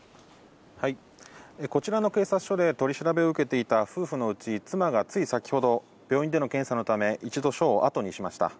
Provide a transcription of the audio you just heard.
こちらの警察署で取り調べを受けていた夫婦のうち、妻がつい先ほど、病院での検査のため、一度、署を後にしました。